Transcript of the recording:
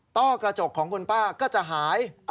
ต้อกระจกของคุณป้าก็จะหาย